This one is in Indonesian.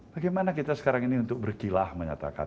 bagaimana kita sekarang ini untuk berkilah menyatakan